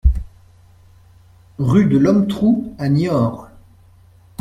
Rue de l'Hometrou à Niort